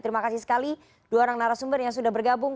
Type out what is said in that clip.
terima kasih sekali dua orang narasumber yang sudah bergabung